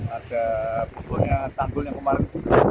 ada bugonya tanggulnya kemarin